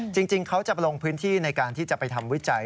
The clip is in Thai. จริงเขาจะลงพื้นที่ในการที่จะไปทำวิจัย